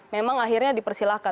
memang akhirnya dipersilahkan